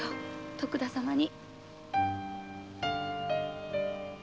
徳田様に。